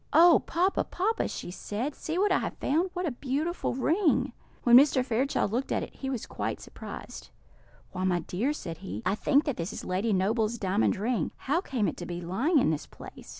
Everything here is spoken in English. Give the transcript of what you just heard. "Oh, papa, papa!" she said, "see what I have found! What a beautiful ring!" When Mr. Fairchild looked at it, he was quite surprised. "Why, my dear," said he, "I think that this is Lady Noble's diamond ring; how came it to be lying in this place?"